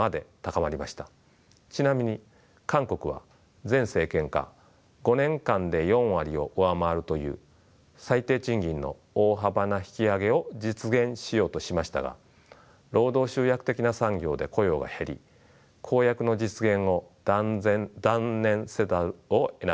ちなみに韓国は前政権下５年間で４割を上回るという最低賃金の大幅な引き上げを実現しようとしましたが労働集約的な産業で雇用が減り公約の実現を断念せざるをえなくなりました。